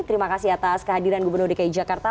terima kasih atas kehadiran gubernur dki jakarta